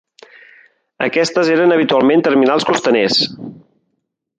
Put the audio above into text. Aquestes eren habitualment terminals costaners.